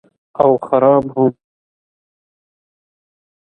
And also the worst.